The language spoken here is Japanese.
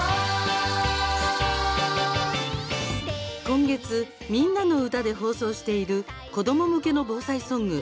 今月「みんなのうた」で放送している子ども向けの防災ソング